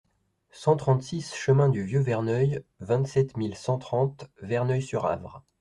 cent trente-six chemin du Vieux Verneuil, vingt-sept mille cent trente Verneuil-sur-Avre